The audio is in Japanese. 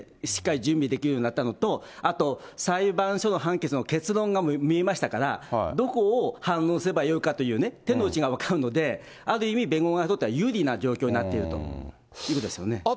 しっかり準備できるようになったのと、あと裁判所の判決の結論が見えましたから、どこを反論すればよいかという手の内が分かるので、ある意味、弁護側にとっては有利な状況になっているということですよね。